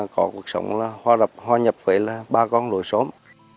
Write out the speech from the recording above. có cuộc sống hoa nhập với ba con nội xóm